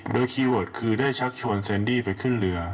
โดยคีย์เวิร์ดคือได้ชักชวนเซนดี้ไปขึ้นเรือ